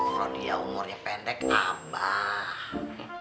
frodiya umurnya pendek abah